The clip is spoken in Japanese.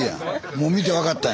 もう見て分かったんや。